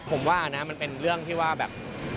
ผมว่านะมันเป็นเรื่องที่ว่าแบบ